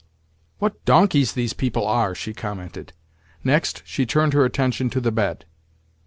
"What donkeys these people are!" she commented. Next, she turned her attention to the bed.